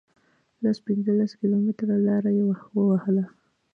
لس پنځلس کیلومتره لار یې ووهله.